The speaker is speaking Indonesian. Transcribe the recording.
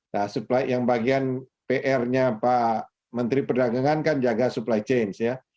nah supply yang bagian pr nya pak menteri perdagangan kan jaga supply chain ya